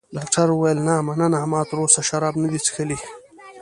ډاکټر وویل: نه، مننه، ما تراوسه شراب نه دي څښلي.